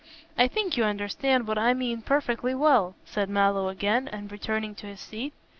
"I think you understand what I mean perfectly well," said Mallow again, and returning to his seat.